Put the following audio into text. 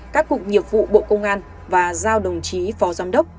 các cục nghiệp vụ bộ công an và giao đồng chí phó giám đốc